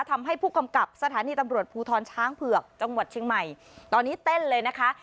ทำให้ผู้กำกับสถานีตำรวจภูทรช้างเผือกจังหวัดเชียงใหม่ตอนนี้เต้นเลยนะคะ